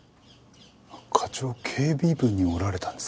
課長警備部におられたんですか？